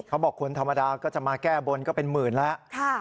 คนธรรมดาก็จะมาแก้บนก็เป็นหมื่นแล้ว